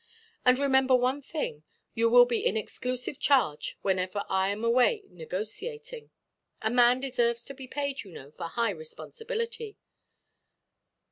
And remember one thing; you will be in exclusive charge whenever I am away negotiating. A man deserves to be paid, you know, for high responsibility."